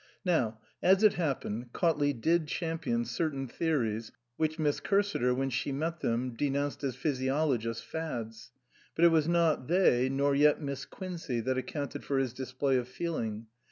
Now as it happened, Cautley did champion certain theories which Miss Cursiter, when she met them, denounced as physiologist's fads. But it was not they, nor yet Miss Quincey, that accounted for his display of feeling.